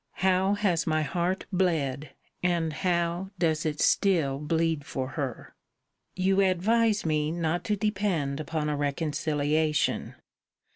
How has my heart bled, and how does it still bleed for her! You advise me not to depend upon a reconciliation.